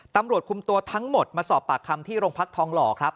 ตำรวจคุมตัวทั้งหมดมาสอบปากคำที่โรงพักทองหล่อครับ